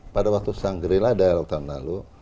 pada waktu sanggeri ladar tahun lalu